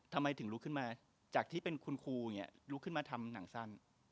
ทำไมถึงลุกขึ้นมาจากที่เป็นคุณครูอย่างนี้ลุกขึ้นมาทำหนังสั้น